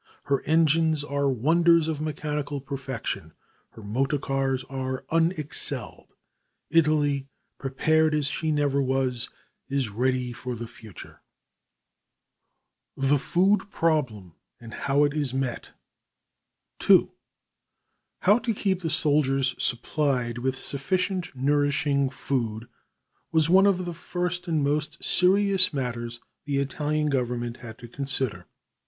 Her engines are wonders of mechanical perfection. Her motor cars are unexcelled. Italy, prepared as she never was, is ready for the future. [Illustration: A MARKET SQUARE IN ROME PHOTOGRAPH BY E. M. NEWMAN] The Food Problem and How It Is Met TWO How to keep the soldiers supplied with sufficient nourishing food was one of the first and most serious matters the Italian Government had to consider.